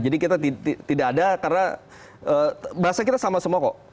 jadi kita tidak ada karena bahasanya kita sama sama kok